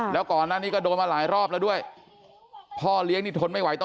แล้วก่อนหน้านี้ก็โดนมาหลายรอบแล้วด้วยพ่อเลี้ยงนี่ทนไม่ไหวต่อ